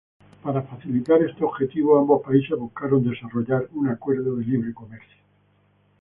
Para facilitar este objetivo, ambos países buscaron desarrollar un acuerdo de libre comercio.